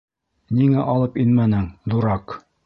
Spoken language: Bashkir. Ниңә алып инмәнең, дурак!